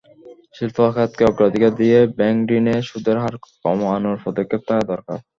শিল্প খাতকে অগ্রাধিকার দিয়ে ব্যাংকঋণে সুদের হার কমানোর পদক্ষেপ থাকা দরকার।